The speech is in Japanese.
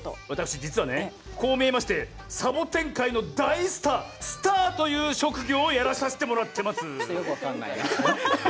私、実はこう見えましてサボテン界の大スタースターという職業をやらさせてもらってます！